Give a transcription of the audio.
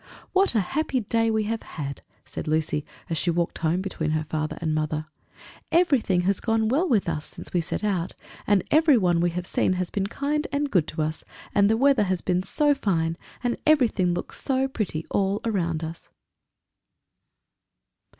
"What a happy day we have had!" said Lucy as she walked home between her father and mother. "Everything has gone well with us since we set out, and everyone we have seen has been kind and good to us; and the weather has been so fine, and everything looks so pretty all around us!"